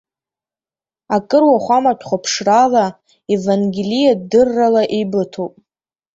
Акыр уахәаматә хәаԥшрала, евангелиатә дыррала еибыҭоуп.